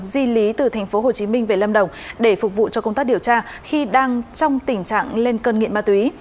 di lý từ tp hcm về lâm đồng để phục vụ cho công tác điều tra khi đang trong tình trạng lên cơn nghiện ma túy